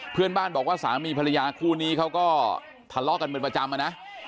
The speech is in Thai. เพื่อนบ้านบอกว่าสามีภรรยาคู่นี้เขาก็ทะเลาะกันเป็นประจำอะนะ